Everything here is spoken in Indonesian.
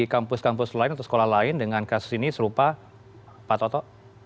kampus kampus lain atau sekolah lain dengan kasus ini serupa pak toto